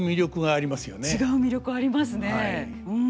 違う魅力ありますねうん。